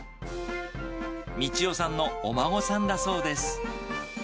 道代さんのお孫さんだそうです。